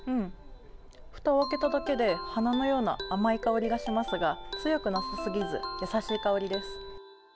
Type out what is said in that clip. ふたを開けただけで、花のような、甘い香りがしますが、強くなさすぎず、優しい香りです。